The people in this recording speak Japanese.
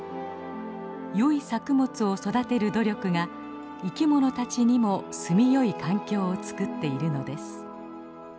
よい作物を育てる努力が生きものたちにも住みよい環境をつくっているのです。